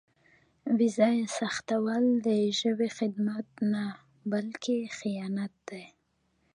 بې ځایه سختول د ژبې خدمت نه بلکې خیانت دی.